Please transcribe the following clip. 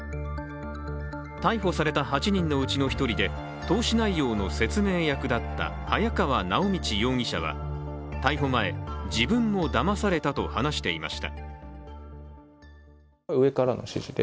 逮捕された８人のうちの１人で投資内容の説明役だった早川直通容疑者は逮捕前、自分もだまされていたと話していました。